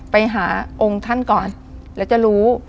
ไปหาองค์ท่านก่อนแล้วจะรู้